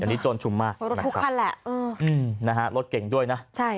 อันนี้โจรชุมมากรถทุกคันแหละเอออืมนะฮะรถเก่งด้วยนะใช่